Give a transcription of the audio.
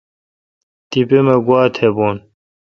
تیپہ مہ گوا تھ بھون۔